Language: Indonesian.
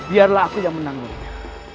biarlah aku yang menanggungnya